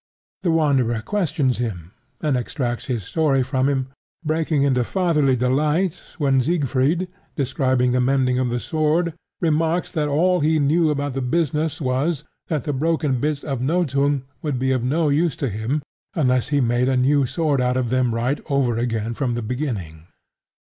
The Wanderer questions him, and extracts his story from him, breaking into fatherly delight when Siegfried, describing the mending of the sword, remarks that all he knew about the business was that the broken bits of Nothung would be of no use to him unless he made a new sword out of them right over again from the beginning.